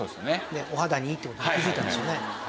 お肌にいいって事に気づいたんでしょうね。